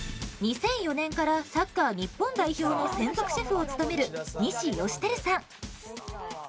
２００４年からサッカー日本代表の専属シェフを務める西芳照さん。